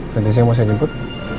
nanti siang mau saya jemput